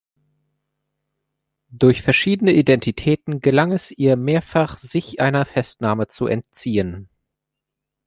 Durch verschiedene Identitäten gelang es ihr mehrfach, sich einer Festnahme zu entziehen.